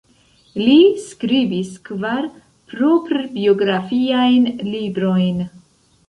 Li skribis kvar proprbiografiajn librojn.